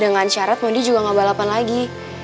dengan syarat mondi juga nggak balapan lagi